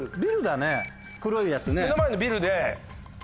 目の前にビルで。